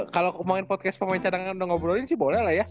kalau main podcast pemain cadangan udah ngobrolin sih boleh lah ya